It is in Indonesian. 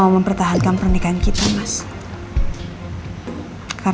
mimpi indah ya